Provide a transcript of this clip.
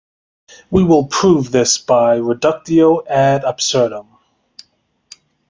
We will prove this by reductio ad absurdum.